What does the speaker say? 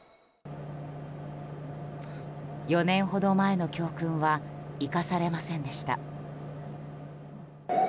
４年ほど前の教訓は生かされませんでした。